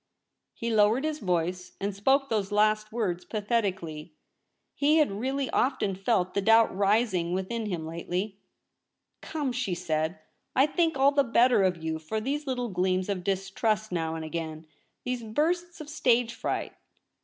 He lowered his voice and spoke those last words pathetically. He had really often felt the doubt rising within him lately. * Come,' she said, ' I think all the better of you for these little gleams of distrust now and again — these bursts of stage fright.